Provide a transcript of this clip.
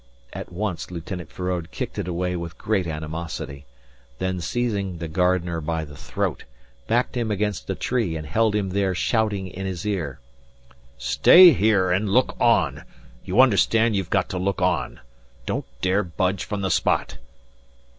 At once Lieutenant Feraud kicked it away with great animosity; then seizing the gardener by the throat, backed him against a tree and held him there shouting in his ear: "Stay here and look on. You understand you've got to look on. Don't dare budge from the spot."